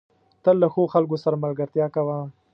تل له ښو خلکو سره ملګرتيا کوه.